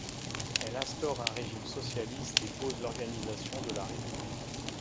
Elle instaure un régime socialiste et pose l'organisation de la république.